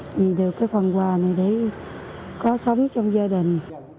vì được cái phần quà này để có sống trong gia đình